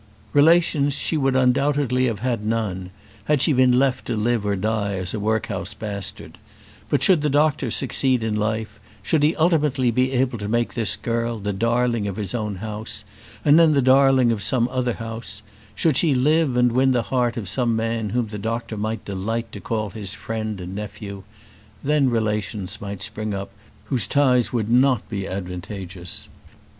Relations she would undoubtedly have had none had she been left to live or die as a workhouse bastard; but should the doctor succeed in life, should he ultimately be able to make this girl the darling of his own house, and then the darling of some other house, should she live and win the heart of some man whom the doctor might delight to call his friend and nephew; then relations might spring up whose ties would not be advantageous.